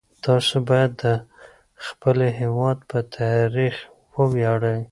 تاسو باید د خپل هیواد په تاریخ وویاړئ.